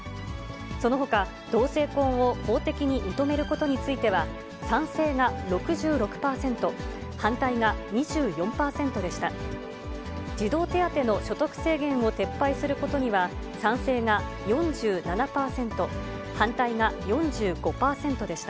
そのほか、同性婚を法的に認めることについては、賛成が６６％、反対が２４％でした。